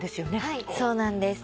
はいそうなんです。